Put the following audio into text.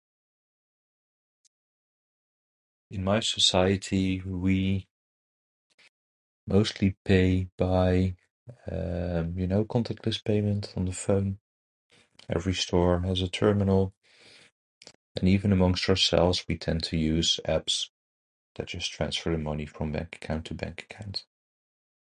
In my society we mostly pay by, uh, you know, contactless payments on the phone. Every store has a terminal. And even amongst ourselves, we tend to use apps that just transfer the money from bank account to bank account.